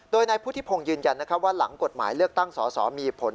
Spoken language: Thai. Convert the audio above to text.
โดยในพุทธิพงศ์ยืนยันนะว่าหลังกดหมายเลือกตั้งศาลศองมีผล